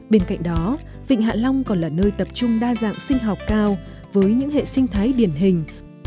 bên cạnh đó vịnh hạ long còn là nơi tập trung đa dạng sinh học cao với những hệ sinh thái điển hình